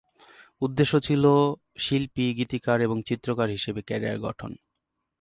উদ্দেশ্য ছিলো শিল্পী, গীতিকার এবং চিত্রকর হিসেবে ক্যারিয়ার গঠন।